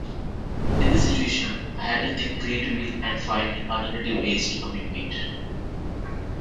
In this situation, I had to think creatively and find alternative ways to communicate.